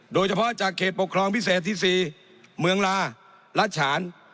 โดยเฉพาะจากเขตปกครองพิเศษที่๔เมืองลารัชฉาน